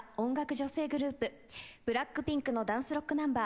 女性グループ ＢＬＡＣＫＰＩＮＫ のダンスロックナンバー。